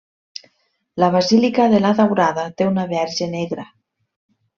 La basílica de la Daurada té una verge negra.